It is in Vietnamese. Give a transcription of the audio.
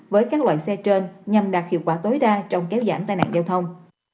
với các loại xe trên nhằm đạt hiệu quả tối đa trong kéo giảm tai nạn giao thông